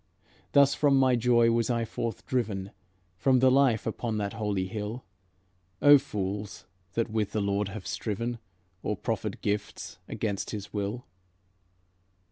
Thus from my joy was I forth driven, From the life upon that holy hill. Oh, fools, that with the Lord have striven, Or proffered gifts against his will!